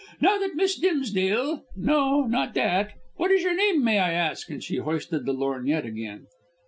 Now that Miss Dimsdale no, not that what is your name, may I ask?" And she hoisted the lorgnette again.